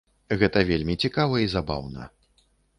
Гэта вельмі цікава і забаўна.